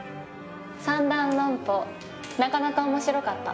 三段論法なかなか面白かった。